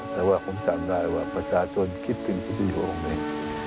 แต่ว่าผมจำได้ว่าประชาชนคิดถึงที่ที่อยู่ตรงนั้น